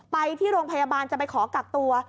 ไปที่โรงพยาบาลจะไปขอกักตัว